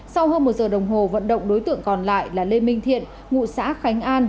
sau hơn một giờ đồng hồ vận động đối tượng còn lại là lê minh thiện ngụ xã khánh an